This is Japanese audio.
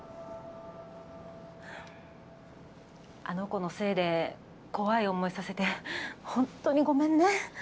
あの子のせいで怖い思いさせてホントにごめんね。